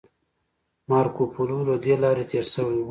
مارکوپولو له دې لارې تیر شوی و